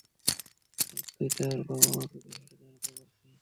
আর তুই তার বাবা-মাকে বিষয়টা জানাতে বলছিস!